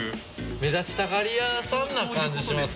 目立ちたがり屋さんな感じしますね。